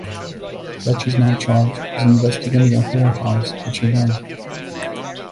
Fletch is now charged with investigating a whorehouse-which he does.